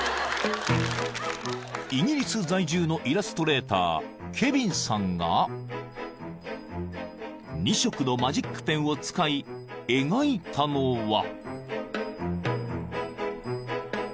［イギリス在住のイラストレーターケビンさんが２色のマジックペンを使い描いたのは］